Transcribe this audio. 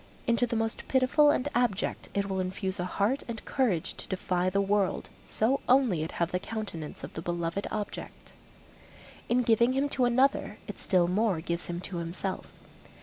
Into the most pitiful and abject it will infuse a heart and courage to defy the world, so only it have the countenance of the beloved object. In giving him to another it still more gives him to himself.